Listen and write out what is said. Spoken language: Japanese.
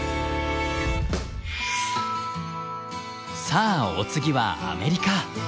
さあお次はアメリカ。